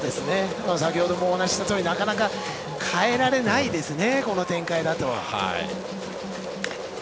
先ほどもお話したとおりなかなか代えられないです、この展開だと。